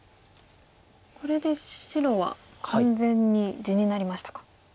これで白は完全に地になりましたか。